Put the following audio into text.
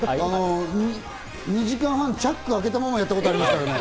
２時間半チャック開けたままやったことありますからね。